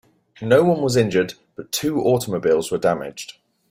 No one was injured, but two automobiles were damaged.